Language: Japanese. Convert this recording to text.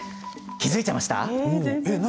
気付いちゃいました？